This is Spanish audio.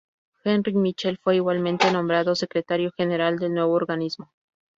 Henri Michel fue igualmente nombrado secretario general del nuevo organismo.